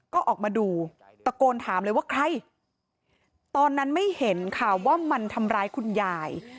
ก็ออกมาดูตะโกนถามเลยว่าใครตอนนั้นไม่เห็นค่ะว่ามันทำร้ายคุณยาย